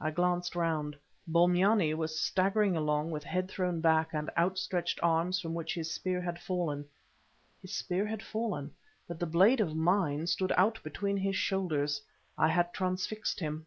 I glanced round. Bombyane was staggering along with head thrown back and outstretched arms from which his spear had fallen. His spear had fallen, but the blade of mine stood out between his shoulders—I had transfixed him.